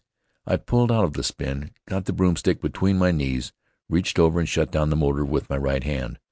I pulled out of the spin, got the broom stick between my knees, reached over, and shut down the motor with my right hand.